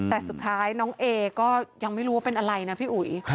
แต่สุดท้ายน้องเอก็ยังไม่รู้ว่าเป็นอะไรนะพี่อุ๋ย